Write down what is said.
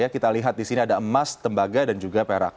kita lihat di sini ada emas tembaga dan juga perak